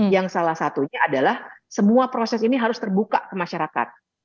yang salah satunya adalah semua proses ini harus terbuka ke masyarakat